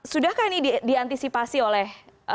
sudahkah ini diantisipasi oleh